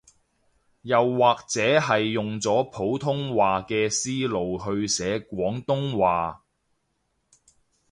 又或者係用咗普通話嘅思路去寫廣東話